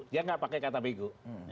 dia nggak pakai kata bego